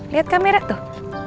lihat kamera tuh